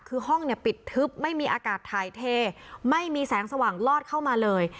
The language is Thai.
คือห้องเนี่ยปิดทึบไม่มีอากาศถ่ายเทไม่มีแสงสว่างลอดเข้ามาเลย